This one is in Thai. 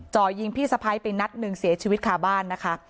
จ่อยิงพี่สะพ้ายไปนัดหนึ่งเสียชีวิตคาบ้านนะคะ